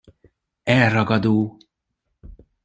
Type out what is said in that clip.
Elragadó!